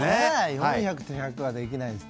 ４００と１００はできないです。